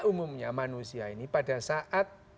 umumnya manusia ini pada saat